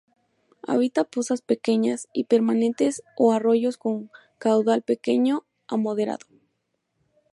Habita pozas pequeñas y permanentes o arroyos con caudal pequeño a moderado.